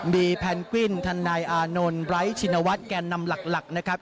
มีแพนกวินทนายอานนท์ไร้ชินวัฒน์แก่นำหลักนะครับ